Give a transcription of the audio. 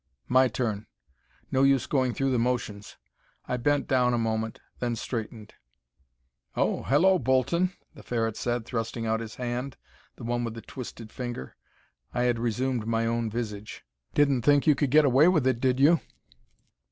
My turn. No use going through the motions. I bent down a moment, then straightened. "Oh, hello, Bolton," the Ferret said, thrusting out his hand, the one with the twisted finger. I had resumed my own visage. "Didn't think you could get away with it, did you?"